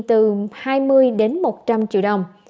từ hai mươi một trăm linh triệu đồng